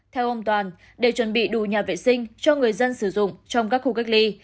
theo ông toàn để chuẩn bị đủ nhà vệ sinh cho người dân sử dụng trong các khu cách ly